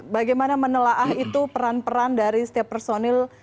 bagaimana menelaah itu peran peran dari setiap personil